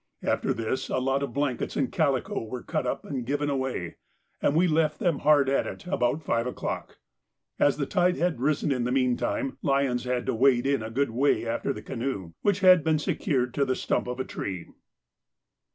After this a lot of blankets and calico were cut up and given away, and we left them hard at it about five o'clock. As the tide had risen in the meantime, Lyons had to wade in a good way after the canoe, which had been secured to the stump of a tree.